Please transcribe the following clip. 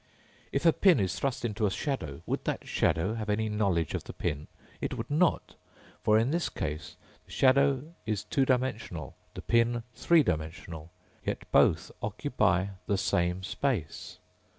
_ _If a pin is thrust into a shadow, would that shadow have any knowledge of the pin? It would not, for in this case the shadow is two dimensional, the pin three dimensional. Yet both occupy the same space.